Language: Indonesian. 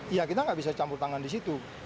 iya kita nggak bisa campur tangan di situ